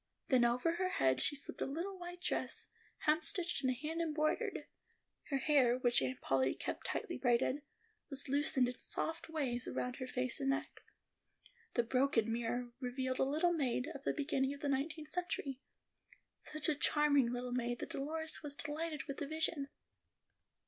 Then over her head she slipped a little white dress, hemstitched and hand embroidered. Her hair, which Aunt Polly kept tightly braided, was loosened in soft waves around her face and neck. The broken mirror revealed a little maid of the beginning of the nineteenth century; such a charming little maid, that Dolores was delighted with the vision.